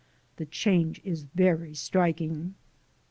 The change is very striking.